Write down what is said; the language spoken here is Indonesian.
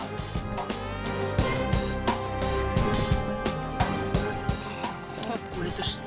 nggak boleh terus